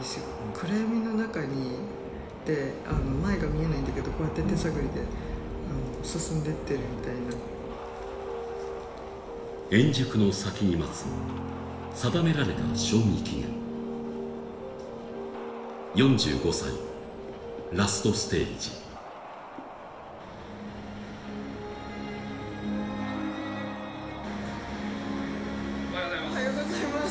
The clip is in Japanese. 暗闇の中にいて前が見えないんだけどこうやって手探りで進んでってるみたいな円熟の先に待つ定められた賞味期限４５歳ラストステージおはようございますおはようございます